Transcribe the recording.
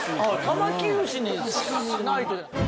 玉城牛にしないと。